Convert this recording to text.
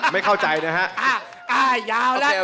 ไม่เข้าใจนะฮะ